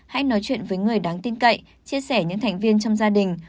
hãy nói chuyện với người đáng tin cậy chia sẻ những thành viên trong gia đình